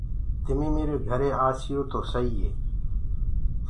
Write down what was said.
تمينٚ ميري گھري آيو تو سئي۔